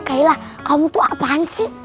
kamu tuh apaan sih